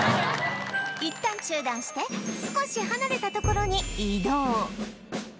いったん中断して少し離れた所に移動